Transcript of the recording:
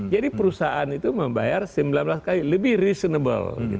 jadi perusahaan itu membayar sembilan belas kali lebih reasonable